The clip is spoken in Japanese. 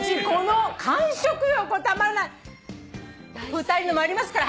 ２人のもありますから。